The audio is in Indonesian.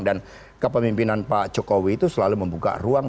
dan kepemimpinan pak jokowi itu selalu membuka ruang